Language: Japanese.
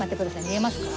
見えますか？